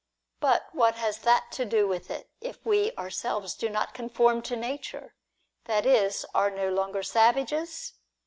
But what has that to do with it, if we ourselves do not conform to nature ; that is, are no longer savages